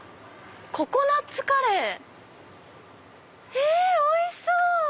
ココナツカレー！えおいしそう！